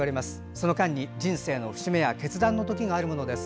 その間に人生の節目や決断の時があるものです。